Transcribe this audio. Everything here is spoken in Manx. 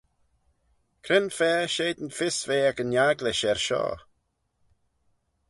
Cre'n fa shegin fys ve ec yn agglish er shoh?